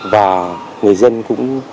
và người dân cũng